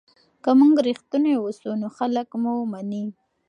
که موږ رښتیني اوسو نو خلک مو مني.